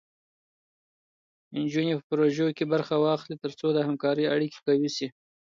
نجونې په پروژو کې برخه واخلي، تر څو د همکارۍ اړیکې قوي شي.